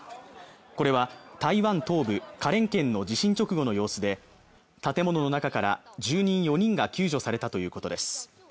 これは台湾東部花蓮県の地震直後の様子で建物の中から住人４人が救助されたということです